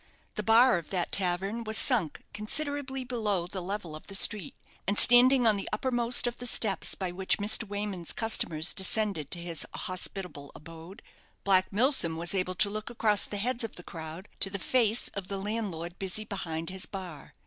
The bar of that tavern was sunk considerably below the level of the street, and standing on the uppermost of the steps by which Mr. Wayman's customers descended to his hospitable abode, Black Milsom was able to look across the heads of the crowd to the face of the landlord busy behind his bar.